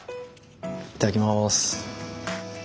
いただきます。